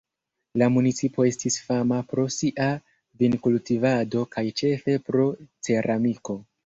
La municipo estis fama pro sia vinkultivado kaj ĉefe pro ceramiko.